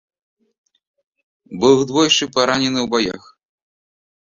Быў двойчы паранены ў баях.